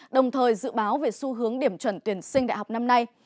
đồng thời dự báo về xu hướng điểm chuẩn tuyển sinh đại học năm nay